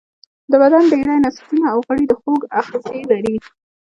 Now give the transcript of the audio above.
د بدن ډیری نسجونه او غړي د خوږ آخذې لري.